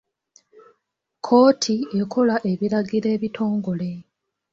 Kkooti ekola ebiragiro ebitongole.